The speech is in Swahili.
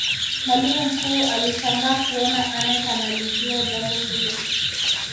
mwalimu mkuu alishangaa kuona aneth analijua jambo hili